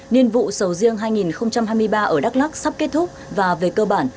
nhiên vụ sầu riêng hai nghìn hai mươi ba ở đắk lắc sắp kết thúc và về cơ bản